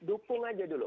dukung aja dulu